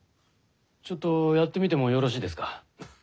ちょっとやってみてもよろしいですか？